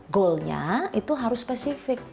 goalnya itu harus spesifik